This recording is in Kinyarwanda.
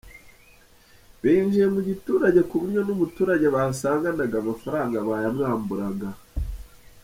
Binjiye mu giturage ku buryo n’umuturage basanganaga amafaranga bayambwamburaga.